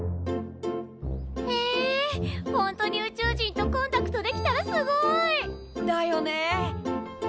へえほんとに宇宙人とコンタクトできたらすごい！だよね！